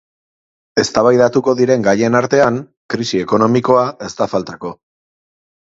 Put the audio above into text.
Eztabaidatuko diren gaien artean, krisi ekonomikoa ez da faltako.